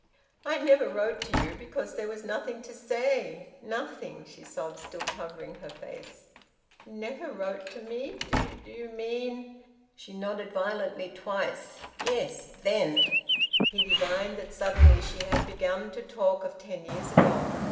"I never wrote to you because there was nothing to say. Nothing!" She sobbed, still covering her face. "Never wrote to me do you mean " She nodded violently twice. "Yes. Then!" He divined that suddenly she had begun to talk of ten years ago.